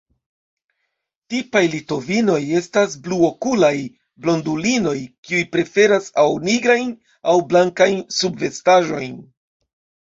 Tipaj litovinoj estas bluokulaj blondulinoj, kiuj preferas aŭ nigrajn aŭ blankajn subvestaĵojn.